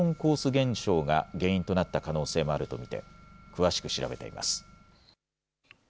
現象が原因となった可能性もあると見て、詳しく調べています。